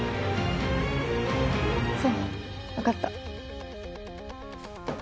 そうわかった。